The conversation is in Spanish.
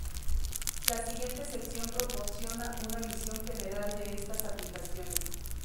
La siguiente sección proporciona una visión general de estas aplicaciones.